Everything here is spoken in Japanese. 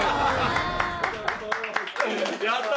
やった。